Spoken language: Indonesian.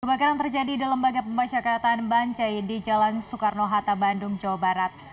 kebakaran terjadi di lembaga pemasyakatan bancai di jalan soekarno hatta bandung jawa barat